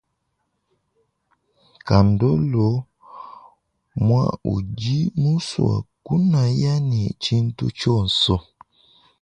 Kandolo mwa udi muswa kunaya ne tshintu tshionso.